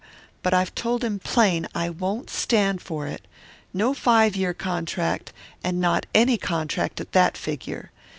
But I've told him plain I won't stand for it. No five year contract, and not any contract at that figure.